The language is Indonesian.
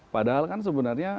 padahal kan sebenarnya